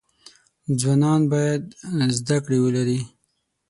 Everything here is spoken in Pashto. ځوانان باید زده کړی ولری